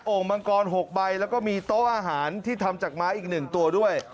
มังกร๖ใบแล้วก็มีโต๊ะอาหารที่ทำจากไม้อีก๑ตัวด้วย